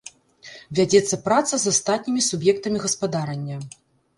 Вядзецца праца з астатнімі суб'ектамі гаспадарання.